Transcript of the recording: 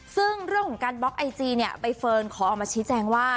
ซึ่งเรื่องของการบล็อกไอจีเนี่ยใบเฟิร์นขอออกมาชี้แจงว่า